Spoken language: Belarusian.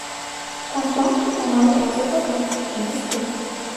Кантакт маю праз адваката і лісты.